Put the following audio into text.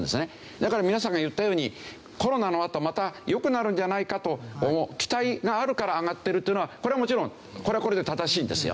だから皆さんが言ったようにコロナのあとまた良くなるんじゃないかと思う期待があるから上がってるというのはこれはもちろんこれはこれで正しいんですよ。